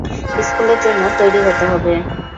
স্কুলের জন্যে তৈরী হতে হবে।